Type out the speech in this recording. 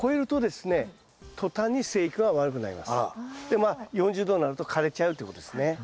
でまあ４０℃になると枯れちゃうってことですね。